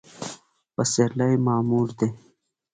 پسرلی معمور دی